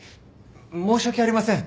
申し訳ありません。